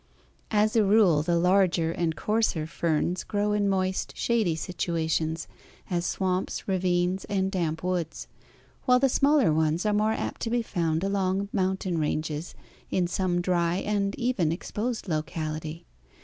As a rule the larger and coarser ferns grow in moist, shady situations, as swamps, ravines, and damp woods; while the smaller ones are more apt to be found along mountain ranges in some dry and even exposed locality.